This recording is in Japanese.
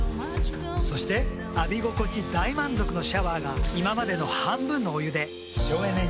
そして浴び心地大満足のシャワーが今までの半分のお湯で省エネに。